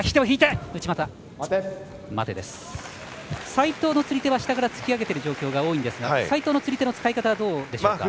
斉藤の釣り手は下から突き上げている状況が多いんですが斉藤の釣り手の使い方はどうでしょうか。